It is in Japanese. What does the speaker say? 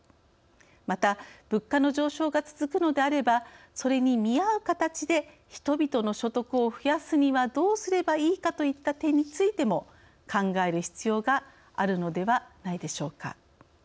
また、物価の上昇が続くのであればそれに見合う形で人々の所得を増やすにはどうすればいいかといった点についても考える必要があるのではないでしょうか。